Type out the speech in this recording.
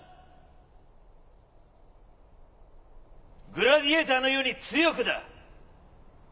グラディエイターのように強くだ